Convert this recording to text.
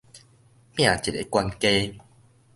拚一个懸低